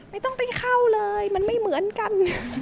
ไม่ต้องไปเข้าเลยมันไม่เหมือนกัน